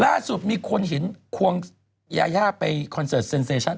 ล่าสุดมีคนเห็นควงยายาไปคอนเสิร์ตเซ็นเซชั่น